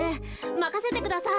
まかせてください。